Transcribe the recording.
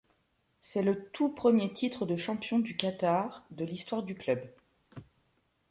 C'est le tout premier titre de champion du Qatar de l'histoire du club.